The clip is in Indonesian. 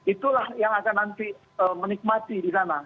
itulah yang akan nanti menikmati di sana